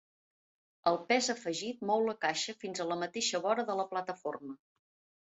El pes afegit mou la caixa fins a la mateixa vora de la plataforma.